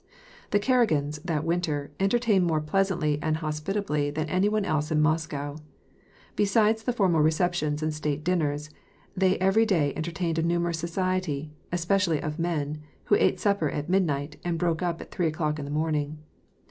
The Karagins, that winter, entertained more pleasantly and hospitably than any one else in Moscow. Besides the formal receptions and state dinners, they every day entertained a numerous society, especially of men, who ate supper at mid night and broke up at three o'clock in the mornup^.